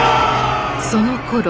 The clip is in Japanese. そのころ